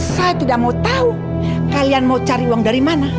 saya tidak mau tahu kalian mau cari uang dari mana